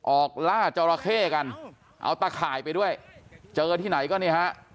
ล่าจราเข้กันเอาตะข่ายไปด้วยเจอที่ไหนก็เนี่ยฮะ